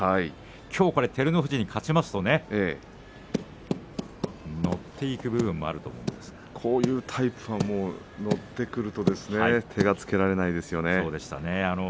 きょう、照ノ富士に勝ちますと乗っていく部分もこういうタイプは乗ってくると手がつけられないですよね。